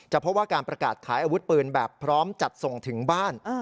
เพราะว่าการประกาศขายอาวุธปืนแบบพร้อมจัดส่งถึงบ้าน